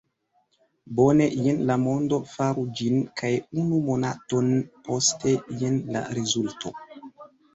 "Bone, jen la mondo, faru ĝin!" kaj unu monaton poste, jen la rezulto!